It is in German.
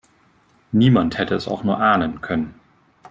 Niemand hätte es auch nur ahnen können.